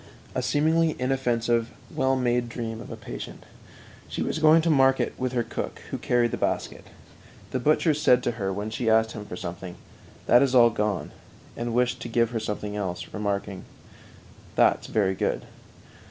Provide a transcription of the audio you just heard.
_A seemingly inoffensive, well made dream of a patient. She was going to market with her cook, who carried the basket. The butcher said to her when she asked him for something: "That is all gone," and wished to give her something else, remarking; "That's very good."